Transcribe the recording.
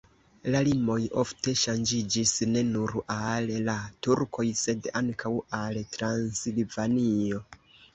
La limoj ofte ŝanĝiĝis ne nur al la turkoj, sed ankaŭ al Transilvanio.